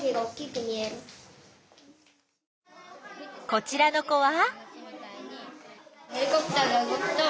こちらの子は？